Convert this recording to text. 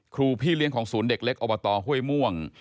พี่เลี้ยงของศูนย์เด็กเล็กอบตห้วยม่วง